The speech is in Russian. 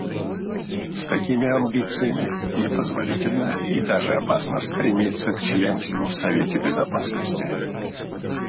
С такими амбициями непозволительно и даже опасно стремиться к членству в Совете Безопасности.